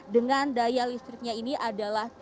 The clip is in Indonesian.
dengan daya listriknya ini adalah tiga puluh tujuh kilowatt